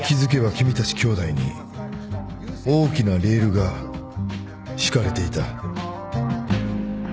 君たち兄弟に大きなレールが敷かれていた。